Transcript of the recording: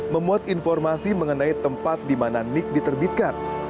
memuat informasi mengenai tempat di mana nik diterbitkan